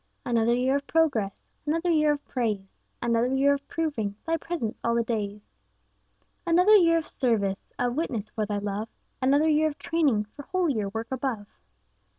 Another year of progress, Another year of praise; Another year of proving Thy presence 'all the days.' Another year of service, Of witness for Thy love; Another year of training For holier work above.